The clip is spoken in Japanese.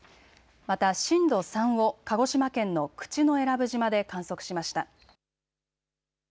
また震度３を鹿児島県の口永良部島で観測しました。